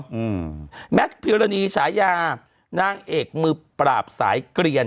อืมแมทพิวรณีฉายานางเอกมือปราบสายเกลียน